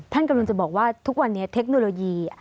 ท่านกำลังจะบอกว่าทุกวันนี้เทคโนโลยี